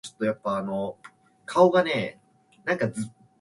Rutland had only come back into existence a year before the station commenced.